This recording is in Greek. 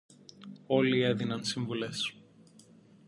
Όλοι έδιναν συμβουλές